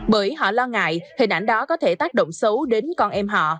bởi họ lo ngại hình ảnh đó có thể tác động xấu đến con em họ